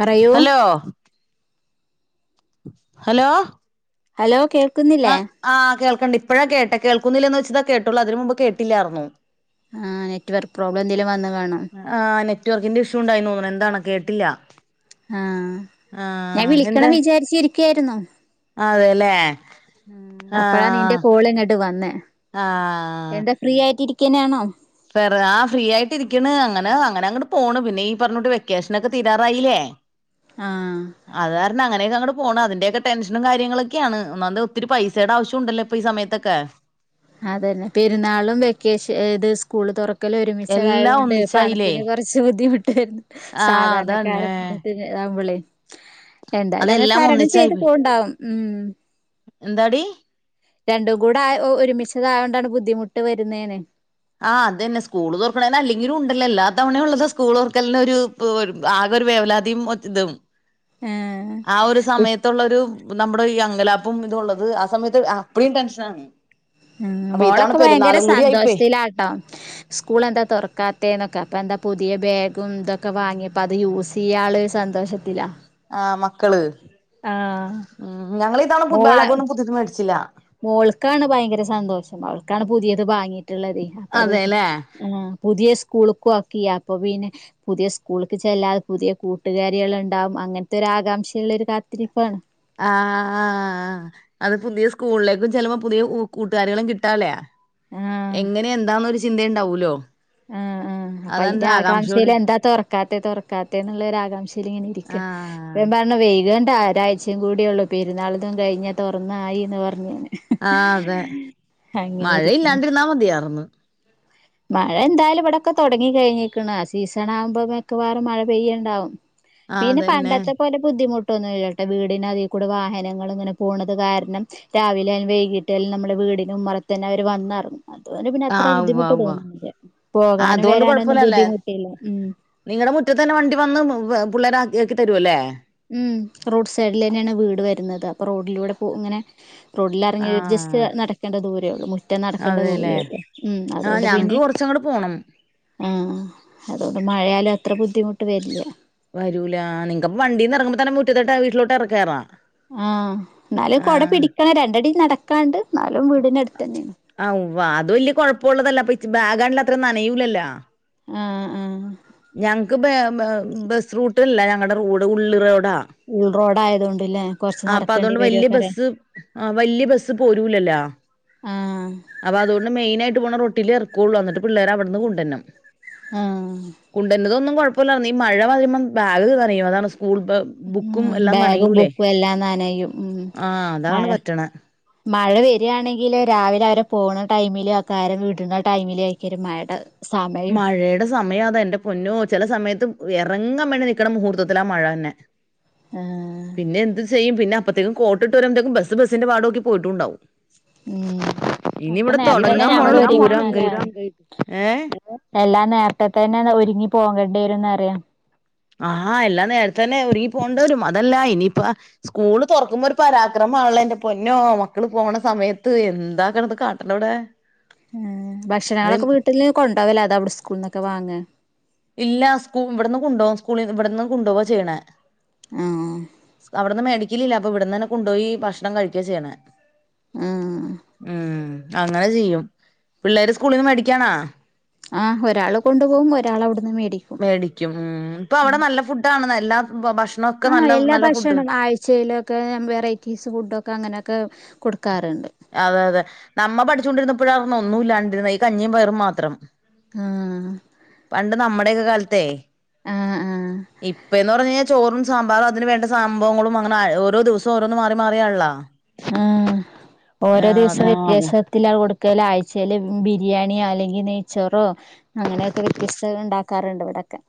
പറയൂ hello hello hello കേൾക്കുന്നില്ലേ? ആഹ് കേൾക്ക്ണ്ട് ഇപ്പഴാ കേട്ടെ കേൾക്കുന്നില്ലെന്ന് വെച്ചതാ കേട്ടുള്ളൂ അതിന് മുമ്പ് കേട്ടില്ലായിന്നു. ആഹ് നെറ്റ്‌വർക്ക് പ്രോബ്ലം എന്തെങ്കിലും വന്നു കാണോ? ആഹ് നെറ്റ് വർക്കിംഗ് ഇഷ്യൂ ഇണ്ടായി തോന്നുന്നു എന്താണോ കേട്ടില്ല. ആഹ് ആ ഞാൻ എന്താ വിളിക്കണം വിചാരിച്ചിരിക്കായിന്നോ. അതെല്ലേ? ആ അപ്പഴാ നിന്റെ കോൾ ഇങ്ങോട്ട് വന്നേ ആ എന്താ ഫ്രീ ആയിട്ടിരിക്കനാണോ? സെറ ആ ഫ്രീ ആയിട്ടിരിക്കണ് അങ്ങനെ അങ്ങനെ അങ്ങോട്ട് പോണ് പിന്നെ ഈ പറഞ്ഞോട്ട് വെക്കേഷനൊക്കെ തീരാറായില്ലേ? [unintelligible] ആഹ് അത് കാരണം അങ്ങനെയൊക്കെ അങ്ങ് പോണ് ടെൻഷൻ കാര്യങ്ങളൊക്കെയാണ് ഒന്നാമത് ഒത്തിരി പൈസയുടെ ആവ്യശ്യം ഇണ്ടല്ലോ. ഇപ്പോ ഈ സമയത്തൊക്കെ അതന്നെ പെരുന്നാളും വെക്കേഷൻ ഇത് സ്കൂള് തുറക്കൽ എല്ലാം ഒരുമിച്ചയതുകൊണ്ട് ഒന്നിച്ചായില്ലേ പണത്തിന് കുറച്ച് കുറച്ചു ബുദ്ധിമുട്ട് ആ സാധാരണക്കാര അതന്നെ തകുമ്പളെ എന്തായാലും അങ്ങനെ അതെല്ലാം തരണം ചെയ്ത് ഒന്നിച്ചായി പോണ്ടാവും ഉം എന്താടി രണ്ടും കൂടെ ആ ഒരുമിച്ചതായൊണ്ടാണ് ബുദ്ധിമുട്ട് വരുന്നേന് ആഹ് അതെന്നെ സ്കൂള് തൊർക്ക്ണേന് അല്ലെങ്കിലും ണ്ടല്ലോ എല്ലാ തവണയും ഉള്ളതാ സ്കൂള് തൊർക്കൽനൊരു [unintelligible] ആകെ ഒരു വേവലാതിം ഒര് തും ഏഹ് ആ ഒരു സമയത്തുള്ളൊരു നമ്മുടെ ഈ അങ്കലാപ്പും ഇതുള്ളത് ആ സമയത്ത് അപ്പ്ടീം ടെൻഷനാണ് ഉം അപ്പൊ ഇത്തവണ മോളൊക്കെ ഭയങ്കര പെരുന്നാളും കൂടി ആയിപ്പോയി സന്തോഷത്തിലാട്ടോ സ്കൂളെന്താ തൊറക്കാത്തെന്നൊക്കെ അപ്പ എന്താ പുതിയ ബാഗും തൊക്കെ വാങ്ങി അപ്പത് യൂസെയ്യാള്ളൊര് സന്തോഷത്തില ആഹ് മക്കള് ഉം ഞങ്ങള് ഇതാണ് മോളെ ബാഗൊന്നും പുത്യേത് മേടിച്ചില്ല മോൾക്കാണ് ഭയങ്കര സന്തോഷം അവൾക്കാണ് പുതിയത് വാങ്ങിട്ട്ള്ളതേ അപ്പത് അതേല്ലേ ആഹ് പുതിയ സ്കൂൾക്കു ആക്കി അപ്പൊ പിന്നെ പുതിയ സ്കൂൾക്ക് ചെല്ലാതെ പുതിയ കൂട്ടുകാരികൾ ണ്ടാവും അങ്ങൻത്തൊരു ആകാംക്ഷയുള്ളൊരു കാത്തിരിപ്പാണ് ആഹ് അത് പുതിയ സ്കൂളിലേക്കും ചെൽപ്പോ പുതിയ കൂട്ടുകാരികളും കിട്ടാള്ള്യ ആഹ് എങ്ങനെ എന്താന്നോരു ചിന്തണ്ടാവൂലോ അപ്പയ്ന്റെ ആകാംക്ഷയിലെന്താ തൊർക്കാത്തെ തൊർക്കാത്തെന്ന്ള്ളൊരു ആകാംക്ഷയിലിങ്ങനെ ഇരിക്ക അപ്പൊ ആഹ് ഞാൻ പറ കാരണം വൈകേണ്ട ഒരാഴ്ച്ചയും കൂടിയുള്ളൂ പെരുന്നാളതും കഴിഞ് തൊർന്നായി ന്ന് പർഞ് ഞാന് ആഹ് അതെ അങ്ങനെ മഴയില്ലാണ്ടിര്ന്നാ മതിയാർന്ന് മഴെന്തായാലും ഇവടൊക്കെ തൊടങ്ങി കഴിഞ്ക്ക്‌ണ് ആഹ് സീസണാകുമ്പോ മിക്കവാറും മഴ പെയ്യ്ണ്ടാവും ആഹ് പിന്നെ അതന്നെ പണ്ടത്തെ പോലെ ബുദ്ധിമുട്ട് ട്ടൊന്നുല്ലട്ടോ വീടിനതി കൂടെ വാഹനങ്ങള്ങ്ങനെ പോണത് കാരണം രാവിലെ ആയാലും വൈകിട്ട്യായാലും നമ്മടെ വീടിന് ഉമ്മറത്തെന്നെ അവര് വന്നെർങ്ങും അതോണ്ട് പിന്നെ അത്ര ആഹ് ഉവ്വ ബുദ്ധിമുട്ട് ഉവ്വ തോന്ന്ണില്ല ആഹ് പോകാനും അതുകൊണ്ട് വെരാനൊന്നും കൊഴപ്പല്ലല്ലേ ബുദ്ധിമുട്ടില്ല ഉം നിങ്ങടെ മുറ്റത്ത് തന്നെ വണ്ടി വന്ന് പിള്ളേരാക്കി തരുല്ലേ ഉം റോഡ് സൈഡിലെന്നെണ് വീട് വെരുന്നത് അപ്പൊ റോഡിലൂടെ പോ ഇങ്ങനെ റോഡിലെർങ്ങി ഒര് ജസ്റ്റ് ആഹ് നടക്കേണ്ട ദൂരേള്ളൂ മുറ്റം നടക്കണ്ട അതെല്ലേ ദൂരേള്ളൂ ഉം ആഹ് അതോണ്ട് ഞങ്ങക്ക് പിന്നെ കൊറച്ചങ്ങട് പോണം ആഹ് അതോണ്ട് മഴായാലും അത്ര ബുദ്ധിമുട്ട് വെര്ല്ല വരൂല്ല നിങ്ങക്പ്പ വണ്ടീന്ന് എറങ്ങുമ്പോ തന്നെ മുറ്റത്തോട്ട് വീട്ടിലോട്ട് കേറാ ആഹ് ന്നാലും കൊട ആഹ് പിടിക്കണം രണ്ടടി നടക്കാണ്ട് ന്നാലും വീടിനട് ത്തെന്നെണ് അവ്വാ അത് വെല്യ കൊഴപ്പള്ളതല്ല അപ്പ ച്ച് ബാഗാള്ല് അത്ര നനയൂലല്ലോ ആഹ് ആഹ് ഞങ് ക്ക് ബെ ബെസ് റൂട്ട്ല്ല ഞങ്ങടെ റോഡ് ഉള്ള് റോഡാ ഉൾറോഡായതോണ്ട്ല്ലേ ആഹ് അപ്പൊ അതോണ്ട് വെല്ല്യ ബസ്സ് ആ വെല്ല്യ ബസ്സ് പോരൂലല്ലോ ആഹ് അപ്പൊ അതോണ്ട് മെയിനായിട്ട് പോണ റോട്ടിലെറക്കൊള്ളു അന്ന്ട്ട് പിള്ളേരെ അവ്ട്ന്ന് കൊണ്ടര്ണം ആഹ് കുണ്ടര്തൊന്നും കൊഴപ്പല്ലാർന്നു ഈ മഴ വരുമ്പം ബാഗ് നനയും അതാണ് സ്കൂൾ ബ ആ ബാഗും ബുക്കും എല്ലാം നനയും ഉം ആഹ് അതാണ് മഴ പറ്റണെ മഴ വെരാണെങ്കില് രാവിലെ അവരെ പോണ ടൈമിലേക്കാരം വിട്ണ ടൈമിലേക്കാരം മഴണ്ടാവ മഴേടെ സമയം അതാ എന്റെ പൊന്നോ ചെല സമയത്ത് എറങ്ങാൻ വേണ്ടി നിക്കണ മുഹൂർത്തത്തിലാ മഴെന്നെ ആഹ് പിന്നെന്ത് ചെയ്യും പിന്നപ്പത്തേക്കും കോട്ട് ട്ട് വെരുമ്പത്തേക്കും ബസ്സ് ബസ്സിന്റെ പാടോക്കി പോയിട്ടുണ്ടാവും ഉം ഇനി അപ്പ ഇവിടെ നേരത്തെന്നെ തുടങ്ങാൻ ഞങ്ങള് പോണുള്ളൂ പൂരം ഒരുങ്ങണ ല്ലേ അങ്കായിട്ട് ഏഹ് എല്ലാം നേരത്തെ തന്നെ ഒരുങ്ങി പോകണ്ടി വരും എന്ന് പറയാ ആഹ് എല്ലാം നേരത്തെ തന്നെ ഒരുങ്ങി പോണ്ട വരും അതല്ല ഇനിപ്പാ സ്കൂള് തൊറക്കുമ്പോ ഒരു പരാക്രമമാണല്ലോ എന്റെ പൊന്നോ മക്കള് പോണ സമയത്ത് എന്താക്കെടന്ന് കാട്ട ണിവടെ ഏഹ് ഭക്ഷണങ്ങളൊക്കെ വീട്ടില് കൊണ്ട പോവല്ല അതാ അവടെ സ്കൂള്ന്നൊക്കെ വാങ്ങാ ഇല്ല സ്കൂ ഇവടുന്ന് കൊണ്ടോവും സ്കൂളിൽ ഇവടെന്ന് കൊണ്ടുപോവാ ചെയ്യണേ ആഹ് അവടന്ന് മേടിക്കലില്ല അപ്പോ ഇവിടന്ന് തന്നെ കൊണ്ടുപോയി ഭക്ഷണം കഴിക്ക ചെയ്യണേ ആഹ് ഉം അങ്ങനെ ചെയ്യും പിള്ളേര് സ്കൂളിന്ന് മേടിക്കണാ? ആഹ് ഒരാള് കൊണ്ട് പോകും ഒരാൾ അവിടുന്ന് മേടിക്കും. മേടിക്കും ഉം ഇപ്പോ അവടെ നല്ല ഫുഡ് ആണ് എല്ലാ ഭക്ഷ ആഹ് എല്ലാ ഭക്ഷണം ആഴ്ച്ചെല് ഒക്കെ വെറൈറ്റീസ് ഫുഡൊക്കെ അങ്ങനെക്കെ കൊടുക്കാറ്ണ്ട്. അതെ അതെ നമ്മ പഠിച്ചോണ്ടിരുന്നപ്പോഴാർന്നു ഒന്നും ഇല്ലാണ്ടിരുന്ന ഈ കഞ്ഞിം പയറും മാത്രം. ആഹ് പണ്ട് നമ്മടെക്കെ കാലത്തേ ആഹ് ആഹ് ഇപ്പ എന്ന് പറഞ്ഞ് കയിഞ്ഞാ ചോറും സാമ്പാറും അതിന് വേണ്ട സംഭവങ്ങളും അങ്ങന ഓരോ ദിവസോം ഓരോന്ന് മാറി മാറിയൻള്ളാ ആഹ് ഓരോ ദിവസം അതെ വ്യത്യാസ ത്തിലാ കൊടുക്കല് ആഴ്ച്ചേല് ബിരിയാണിയോ അല്ലെങ്കിൽ നെയ്ച്ചോറോ അങ്ങനെയൊക്കെ വ്യത്യസ്ത ഇണ്ടാക്കാറുണ്ട് ഇവടക്കെ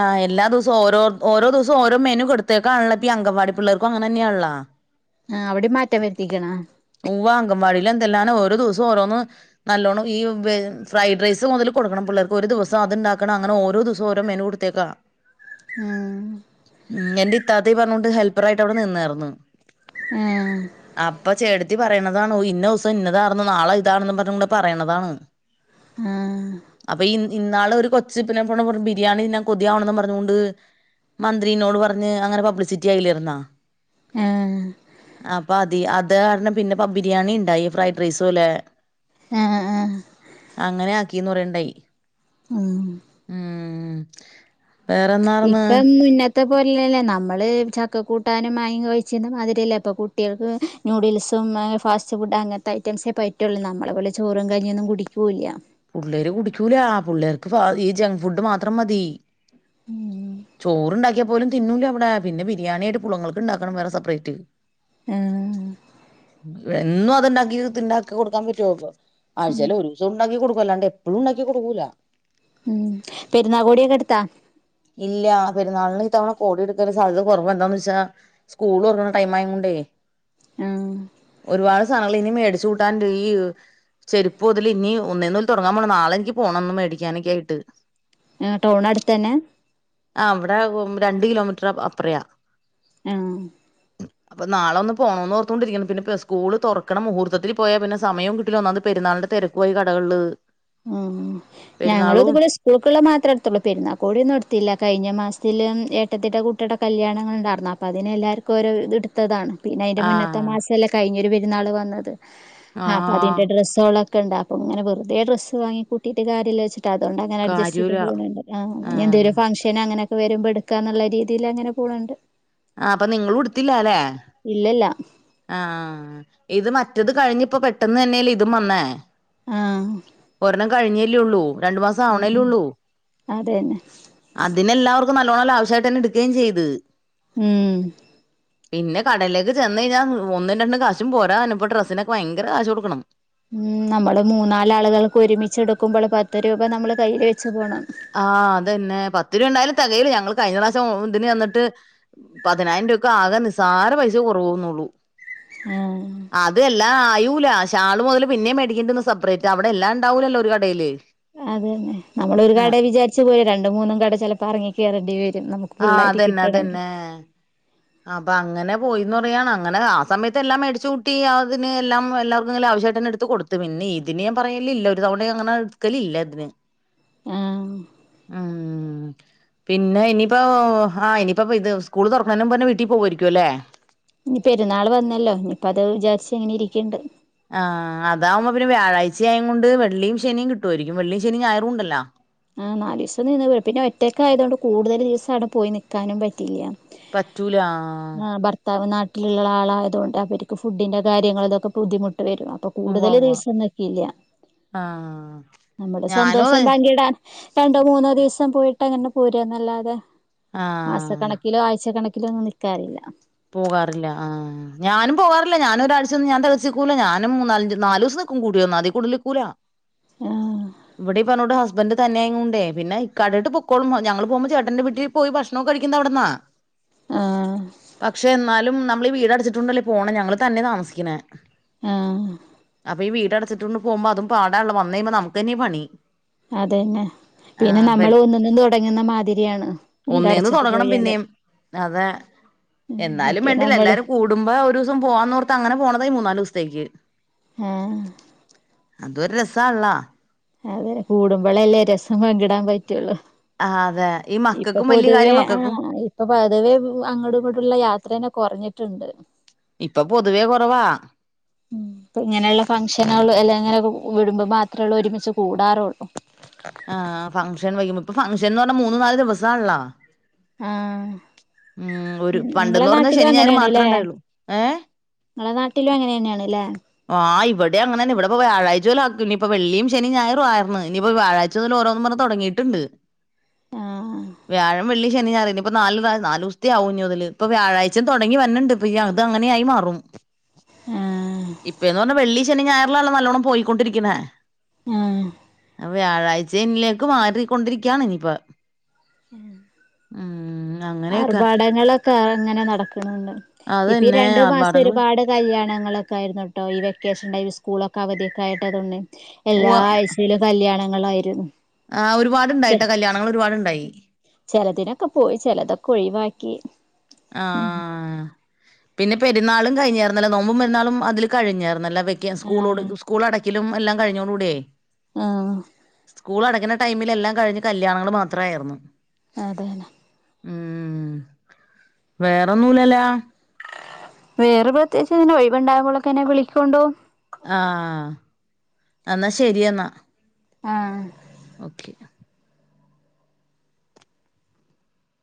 ആ എല്ലാ ദിവസോം ഓരോ ഓരോ ദിവസം ഓരോ മെനു കൊടുത്തേക്കാണലോ അങ്കവാടി പിള്ളേർക്കും അങ്ങനെന്നെ ആണലോ ആഹ് അവടേം മാറ്റം വരുത്തിക്കണ ഉവ്വാ അങ്കൻവാടിൽ എന്തല്ലാ ഓരോ ദിവസോം ഓരോന്ന് നല്ലോണ്ണം ഈ ഫ്രൈഡ് റൈസ് മുതൽ കൊടുക്കണം പിള്ളേർക്ക് ഒരു ദിവസം അത്ണ്ടാക്കണം അങ്ങനെ ഓരോ ദിവ സോം ഓരോ മെനു കൊടുത്തേക്കാ ഉം ഉം എന്റെ ഇത്താത്തേ പറഞ്ഞകൊണ്ട് ഹെൽപ്പറായിട്ട് അവടെ നിന്നാറ്ന്നു ഉം അപ്പ ചേട്ടത്തി പറയുന്നതാണോ ഇന്ന ദിവസം ഇന്നതാണന്ന നാളെ ഇതാണെന്നും പറഞ്ഞും കൂടെ പറയുന്നതാണ് ആഹ് അപ്പോ ഇ ഇന്നാള് ഒരു കൊച്ച് പിന്നെ ബിരിയാണി ഞാൻ കൊതിയാവണന്ന് പറഞ്ഞോണ്ട് മന്ത്രിനോട് പറഞ്ഞ് അങ്ങനെ പബ്ലിസിറ്റി ആയില്ലേരുന്നാ ഏഹ് അപ്പോ അതി അത് കാരണം പിന്നെ പം ബിരിയാണി ഇണ്ടായി ഫ്രൈഡ് റൈസ് പോലെ ആഹ് ആഹ് അങ്ങനെ ആക്കീന്ന് പറയ്ണ്ടായി ഉം ഉം വേറെന്നാ ഇപ്പം [unintelligible] ത്തെ പോലല്ലേ നമ്മള് ചക്ക കൂട്ടാനും [unintelligible] കഴിച്ചതും മാതിരിയല്ലേ ഇപ്പോ കുട്ടികൾക്ക് നുഡിൽസും ഏഹ് ഫാസ്റ്റ് ഫുഡ് അങ്ങനത്തെ ഐറ്റംസേ പറ്റുള്ളൂ നമ്മളെ പോലെ ചോറും കഞ്ഞിന്നും കുടിക്കൂവില്ല്യ പുള്ളേര് കുടിക്കൂല പുള്ളേർക്ക് ഈ ജങ്ക് ഫുഡ് മാത്രം മതി. ചോറ്ണ്ടാക്കിയ അ പോലും തിന്നൂല അവിടെ. പിന്നെ ബിരിയാണീടെ പുളങ്ങൾക്ക് ഇണ്ടാക്കണം വേറെ സെപ്പറേറ്റ്. ആഹ് എന്നും അത് ഇണ്ടാക്കി ഇത്ണ്ടാക്. കൊടുക്കാൻ പറ്റോ. ആഴ്ചയില് ഒരൂസം ഉണ്ടാക്കി കൊടുക്കു. അല്ലാണ്ട് എപ്പഴും ഇണ്ടാക്കി കൊടുക്കൂല. ഉം പെരുന്നാകോടിയൊക്കെ എടുത്താ. ഇല്ല പെരുന്നാളിന് ഇ തവണ കോടി ഇടുക്കാൻ സാധ്യത കൊറവ എന്താന്ന് വെച്ചാ. സ്കൂൾ തൊറക്ക്ണ ടൈം ആയോണ്ടെ ആഹ് ഒരുപാട് നങ്ങള് ഇനി മേടിച്ചു കൂട്ടാണ്ടീഹ്. ചെരിപ്പ് ഒതല് ഇഞ് ഒന്നേന്നോല് തൊടങ്ങാൻ പോണം. നാളെ എൻക്ക് പോണം. ഒന്ന് മേടിക്കാനൊക്കെ ആയിട്ട്. ആ ടൗണ് അടുത്തെന്നെ. ആ ഇവടെ രണ്ട് കിലോമീറ്റർ അപ്പറയാ. ആഹ്. അപ്പ നാളൊന്ന് പോണോന്ന് ഓർത്തൊണ്ടിരിക്കണ്. പിന്നെ ഇപ്പ സ്കൂള് തൊറ്ക്ക്ണ മുഹൂർത്തത്തില് പോയാ പിന്നെ സമയോം കിട്ടുല. ഒന്നാമത് പെരുന്നാളിന്റെ തെര കോയി കടകള്ല്. ഉം ഞങ്ങളു ഇതുപോലെ സ് സ്കൂൾക്ക്ള്ളേ മാത്രേ ഇട്ത്തുള്ളു. പെരുന്നാ കോടി ഒന്നും എടുത്തില്ല. കഴിഞ്ഞ മാസത്തില് ഏട്ടത്തിടെ കുട്ടീടെ കല്യാണങ്ങള്ണ്ടാര്ന്നു. അപ്പ അതിനെല്ലാർക്കോരോ ഇതെ ത്തതാണ് പിന്നെ അതിന്റെ ആ മുന്നത്തെ മാസല്ലേ കഴിഞ്ഞൊരു പെരുന്നാള് വന്നത്. ആ അപ്പൊ അതിന്റെ ഡ്രസ്സോളെ ക്കെണ്ട് അപ്പം ഇങ്ങെനെ വെറ്തെ ഡ്രസ് വാങ്ങി കൂട്ടിട്ട് കാര്യല്ല വച്ചി അതോണ്ട് അങ്ങനെ അഡ്ജസ്റ്റ് ചെയ്ത് കാര്യൂല പോണ് ഇണ്ട് ആഹ് ആ ഇഞ് എന്തേലും ഫങ് അങ്ങനൊക്കെ വരുമ്പോ ഇടുക്കാ ന്നുള്ള രീതില് അങ്ങെനെ പോണ് ഇണ്ട്. ആഹ് അപ്പൊ നിങ്ങളു ഇടുത്തില്ല ല്ലെ ഇല്ലല്ല ആഹ്. ഇത് മറ്റത് കഴിഞ്ഞിപ്പൊ പെട്ടെന്നെന്നെല്ല ഇതും വന്നെ. ആഹ് ഒരെണ്ണം കഴിഞ്ഞെല്യാെള്ളൂ. രണ്ടു മാസം ഉം ആവണെല്യാെള്ളു. അതന്നെ അതിനെല്ലാവർക്കും നല്ലോണം ലാവിഷായിട്ടന്നെ ഇടുക്കേം ചെയ്ത്. ഉം പിന്നെ കടലെക്ക് ചെന്നാ കയിഞ്ഞ ഒന്നും രണ്ടും കാശും പോരാ. ഇന്ന്പ്പോ ഡ്രസ്സിനെക്കെ ഭയങ്കര കാശ് കൊടുക്കണം. ഉം നമ്മള് മൂന്നാല് ആളുകൾക്ക് ഒരുമിച്ചെടുക്കുമ്പള് പത്ത് രൂപ നമ്മള് കയ്യില് വെച്ച് പോണം. ആഹ് അതെന്നെ. പത്ത് രൂപ ഇണ്ടായാലും തെകയൂല. ഞങ്ങൾ കഴിഞ്ഞ പ്രാവശം ഇതിന് ചെന്നിട്ട്. പതിനായിരം രൂക്ക് ആകെ നിസ്സാര പൈസയേ കുറവെന്നുള്ളൂ. ആഹ് അതു എല്ലാം ആയൂല. ഷാള് മൊതല് പിന്നേം മേടിക്കേണ്ടിന്നു സപ്പറേറ്റ. അവിടെ എല്ലാം ഇണ്ടാവൂലല്ലോ ഒരു കടേല്. അത് തന്നെ നമ്മളൊരു കട വിചാരിച്ച് പോയ രണ്ടും മൂന്നും കട ചെലപ്പോ അറങ്ങിക്കേറേണ്ടി വെരും നമു ഫുള്ളായിട്ട് കിട്ടണെങ്കി ആഹ് അപ്പങ്ങനെ പോയിന്ന് പറയാണ്. അങ്ങനെ ആ സമയത്ത് എല്ലാം മേടിച്ചു കൂട്ടി അതിന് എല്ലാം എല്ലാർക്കു ലാവിഷായിട്ടെന്നെ എടുത്ത് കൊടു ത്ത് പിന്നെ ഇതിന് ഞാ പറയലില്ല. ഒരു തവണ അങ്ങനെ എടുക്കലില്ല ഇതിന്. ആഹ് ഉം. പിന്നെ ഇനീപ്പോ ആ ഇനിപ്പോ ഇത് സ്കൂള് തൊറക്ക്ണേനു മുമ്പന്നെ വീട്ടി പോവേരിക്കുല്ലേ? ഇനി പെരുന്നാള് വന്നല്ലൊ. ഇനിപ്പ അത് വിചാരിച്ചിങ്ങനെ ഇരിക്ക്ണ്ട്. ആഹ് അതാവുമ്പം പിന്നെ വ്യാഴാഴ്ചയായിങ്ങ് കൊണ്ട് വെള്ളിം ശനിം കിട്ട്വാരിക്കും വെള്ളീം ശനിം ഞായറു ഇണ്ടല്ലൊ. ആ നാലീസം നിന്ന് വരും. പിന്നെ ഒറ്റയ്ക്കായതൊണ്ട് കൂടുതല് ദിവസം ആടെ പോയി നിക്കാനും പറ്റില്ല. പറ്റൂല ആഹ്. തമിഴ്നാട്ടില്ള്ള ആളായതോണ്ട് അവര്ക്ക് ഫുഡിന്റെ കാര്യങ്ങള് ഇതൊക്കെ ബുദ്ധിമുട്ട് വെരും. അപ്പൊ ഉവ്വ കൂടുതല് ഉവ്വ ദിവസം നിക്കില്ല. ആ നമ്മടെ ഞാനും സന്തോഷം അതെ പങ്കിടാൻ. രണ്ടോ മൂന്നോ ദിവസം പോയിട്ട് അങ്ങനെ പോര്യാന്നല്ലാതെ ആ മാസക്കണക്കിലോ ആഴ്ച കണക്കി ക്കിലൊന്നും നിക്കാറില്ല. പോകാറില്ല ആഹ്. ഞാനും പോകാറില്ല ഞാനൊരാഴ്ച ഒന്ന് ഞാൻതെകച്ചിക്കൂല ഞാനും മൂന്നാലഞ്ച് നാലു ദിവസം നിക്കും കൂടിവന്ന അതി കൂടുതലിക്കൂല. ആഹ് ഇവിടെ ഈ പറഞ്ഞുട്ട് ഹസ് ബന്റ് തന്നെആയുംങ്ങുണ്ടേ പിന്നെ ഇ കടയിട്ട് പൊക്കോളും ഞങ്ങള് പോകുമ്പോ ചേട്ടന്റെ വീട്ടി പോയി ഭക്ഷണൊക്കെ കഴിക്കുന്നെ അവിടിന്നാ. ആഹ് പക്ഷെ എന്നാലും നമ്മളീ വീട് അടിച്ചിട്ടൂണ്ടല്ലേ പോണേ ഞങ്ങള് തന്നെയാ താമസിക്കണേ. ആഹ് അപ്പൊഈ വീടടച്ചിട്ടൊണ്ട് പോകുമ്പോ അതും പാടണല്ലോ വന്ന് കഴിയുമ്പോ നമുക്ക്‌ തന്നെയ പണി. അതന്നെ. ആ പിന്നെ വെൽ നമ്മള് ഒന്നന്നും തുടങ്ങുന്ന മാതിരിയാണ് വീട് ഒന്നേന്ന് അടച്ചിട്ട് തൊടങ്ങണം പോയാല്. പിന്നേം അതെ. ഉം എന്നാലും മറ്റേ വേണ്ടില്ല നമ്മള് എല്ലാരും കൂടുമ്പോ ഒരു ദിവസം പോവാന്നോർത്ത് അങ്ങനെ പോണതാ ഈ മൂന്നാല് ദിവസത്തേക്ക്. ആഹ് അതൊരു രസള്ള. അതെ കൂടുമ്പോളല്ലേ രസം പങ്കിടാൻ പറ്റുള്ളൂ. ആ അതെ. ഈ ഇപ്പൊ മക്കൾക്കും വലിയ പൊതുവേ കാര്യം ആ മക്കൾക്കും ഇപ്പൊ പൊതുവേ അങ്ങോട് ഇങ്ങോട്ടള്ള യാത്രേനെ കുറഞ്ഞിട്ടുണ്ട്. ഇപ്പൊ പൊതുവേ കുറവാ. ഉ ഇപ്പ ഇങ്ങനെള്ള ഫംഗ്ഷനുകൾ അല്ല ഇങ്ങനെ വിടുമ്പോ മാത്രള്ളൂ ഒരുമിച്ച് കൂടാറുള്ളൂ. ആ ഫംഗഷൻ വക്കുമ്പം ഇപ്പ ഫങ്ഷൻ എന്ന് പറഞ്ഞാ മൂന്ന് നാല് ദിവസാണല്ലോ. ആഹ് ഉം ഒരു നി നിങ്ങളെ പണ്ടെന്ന് പറഞ്ഞാ നാട്ടിലു ശനി ഞായർ മാത്രേ അങ്ങനെണ്ല്ലേ. ഉണ്ടായുള്ളൂ ഏഹ് ങ്ങള നാട്ടിലും അങ്ങനെന്നെയാണ് ല്ലേ. ആഹ് ഇവിടെ അങ്ങനന്ന ഇവിടൊപ്പോ വ്യാഴ്ച പോല ആക്കും ഇപ്പൊ വെള്ളിയും ശെനിയും ഞായറും ആയിർന്ന് ഇനിപ്പോ വ്യാഴാഴ് ച്ച്ത് ല് ഓരോന്നു പറഞ്ഞ് തൊടങ്ങിട്ടുണ്ട് ആഹ് വ്യാഴം. വെള്ളി, ശനി ഞായാറ് ഇനിപ്പ നാല്, നാല് ദിവസത്തെ ആവും ഞ്ഞിമുതല് ഇപ്പൊ വ്യാഴാഴ്ച്ചേ തൊടങ്ങി വരണിണ്ട്പ്പ അത് അങ്ങനെയായി മാറും. ആ ഇപ്പ എന്ന് പറഞ്ഞാ വെള്ളി, ശനി, ഞായറിലാണല്ലോ നല്ലോണ്ണം പോയിക്കൊണ്ടിരിക്കുന്നേ. ആഹ് അ വ്യാഴാഴ്ച്ചേനിലേക്ക് മാറിക്കൊണ്ടിരിക്കാണ് ഇനിപ്പ. ആ അങ്ങനെയൊക്കെ ആർഭാടങ്ങളൊക്കെ അങ്ങനെ നടക്കണുണ്ട് ഇപ്പ ഈ അതന്നെ രണ്ടു മാസം ആർഭാടങ്ങള് ഒരുപാട്. കല്യാണങ്ങളോക്കെ ആയിരുന്നുട്ടോ ഈ വെക്കേഷന്റ ഈ സ്കൂളൊക്കെ അവധിയൊക്കെ ആയിട്ടതൊണ്ട്. എല്ലാ ഉവ്വ ആഴ്ചയിലും കല്യാണങ്ങളായിരുന്നു. ആ ചെ ഒരുപാടുണ്ടായിട്ടോ കല്യാണങ്ങൾ ഒരുപാടുണ്ടായി. ചെലതിനൊക്കെ പോയി ചിലതൊക്കെ ഒഴിവാക്കി. ആ പിന്നെ പെരുന്നാളും കഴിഞ്ഞായിരുന്നല്ല നോമ്പ് പെരുന്നാളും അതില് കഴിഞ്ഞരുന്നല്ല. വെ സ്കൂളോട് ആഹ് സ്കൂളടക്കലും എല്ലാം കഴിഞ്ഞോടൂടെ. ആഹ്. സ്കൂളടക്കണ ടൈമിലെല്ലാം കഴിഞ് കല്യാണങ്ങൾ മാത്രായിരുന്നു. അതന്നെ. ഉം. വേറൊന്നുലല്ലാ. വേറെ പ്രത്യകിച്ചച്ച് ഇതിന ഒഴിവണ്ടകുമ്പോക്കെ എന്നെ വിളിക്കൊണ്ടോ ആഹ എന്നാ ശരിയെന്നാ. ആഹ് ഓക്കെ